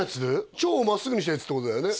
腸を真っすぐにしたやつってことだよね